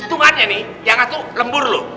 hitungannya nih yang satu lembur loh